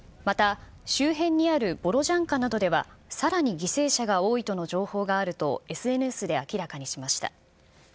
また、周辺にあるボロジャンカなどではさらに犠牲者が多いとの情報があるとＳＮＳで明らかにしました。